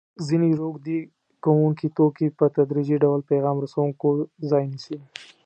ځیني روږدي کوونکي توکي په تدریجي ډول پیغام رسوونکو ځای نیسي.